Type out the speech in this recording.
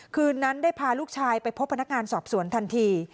คืนนั้นได้พาลูกชายไปพบพนักงานสอบสวนทันที